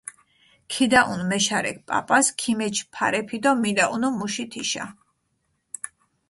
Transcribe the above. ქიდაჸუნჷ მეშარექ პაპას, ქიმეჩჷ ფარეფი დო მიდაჸუნუ მუში თიშა.